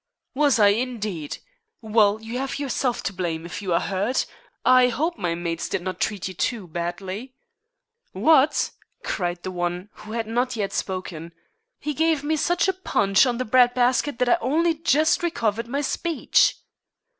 "Was I, indeed? Well, you have yourself to blame if you are hurt. I hope my mates did not treat you too badly?" "What?" cried the one who had not yet spoken. "He gave me such a punch on the bread basket that I've only just recovered my speech."